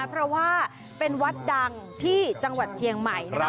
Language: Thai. เพราะว่าเป็นวัดดังที่จังหวัดเชียงใหม่นะคะ